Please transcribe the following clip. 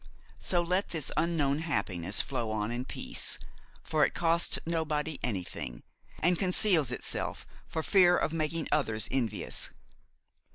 So let this unknown happiness flow on in peace, for it costs nobody anything, and conceals itself for fear of making others envious.